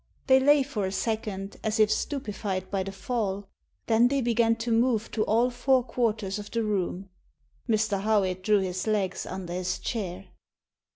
They lay for a second as if stupefied by the fall Then they began to move to all four quarters of the room. Mr. Howitt drew his legs under his chair.